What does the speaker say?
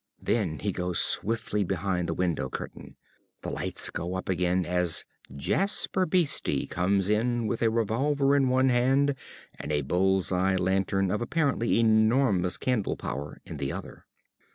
Then he goes swiftly behind the window curtain. The lights go up again as_ Jasper Beeste _comes in with a revolver in one hand and a bull's eye lantern of apparently enormous candle power in the other.